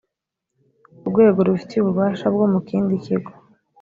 urwego rubifitiye ububasha bwo mu kindi kigo